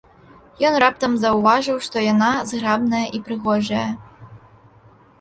Ён раптам заўважыў, што яна зграбная і прыгожая.